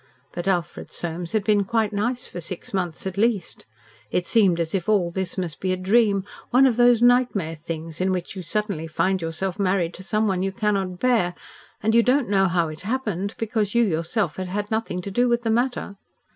But Alfred Soames had been quite nice for six months at least. It seemed as if all this must be a dream, one of those nightmare things, in which you suddenly find yourself married to someone you cannot bear, and you don't know how it happened, because you yourself have had nothing to do with the matter.